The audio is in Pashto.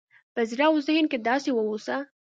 په زړه او ذهن کې داسې واوسه